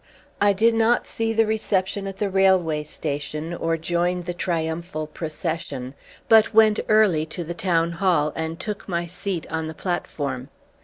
I did not see the reception at the Railway Station or join the triumphal procession; but went early to the Town Hall and took my seat on the platform.